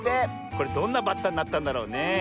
これどんなバッタになったんだろうね。